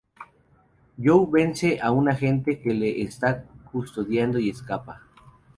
Joe vence a un agente que lo está custodiando y escapa.